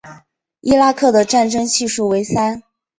伊拉克的战争系数为三。